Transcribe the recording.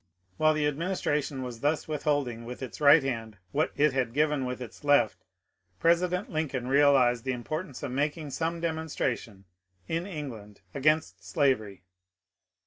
While the administration was thus withholding with its right hand what it had given with its left, President Lincoln realized the importance of making some demonstration in England against slavery.